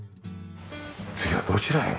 次はどちらへ？